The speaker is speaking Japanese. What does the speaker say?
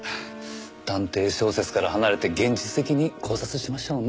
探偵小説から離れて現実的に考察しましょうね。